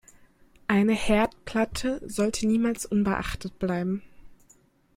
Eine Herdplatte sollte niemals unbeachtet bleiben.